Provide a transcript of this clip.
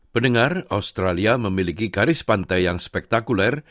pendengar australia memiliki garis pantai yang spektakuler